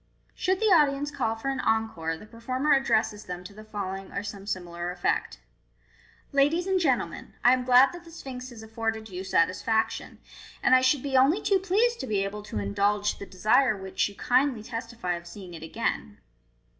Should the audience call for an encore, the performer addresses them to the following or some similar effect s— 14 Ladies and gentlemen, I am glad that the Sphinx has afforded you satisfaction, and I shouH be only too pleased to be able to indulge the MODERN MAGIC. 473 desire which you kindly testify of seeing it again.